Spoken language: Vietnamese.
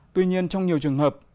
tuy nhiên trong nhiều trường hợp